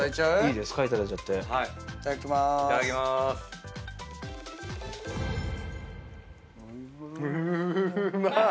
いただきまーす。